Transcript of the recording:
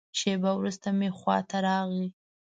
شېبه وروسته مې خوا ته راغی.